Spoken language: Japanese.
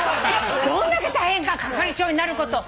どんだけ大変か係長になること。